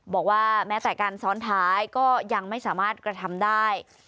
แม้แต่การซ้อนท้ายก็ยังไม่สามารถกระทำได้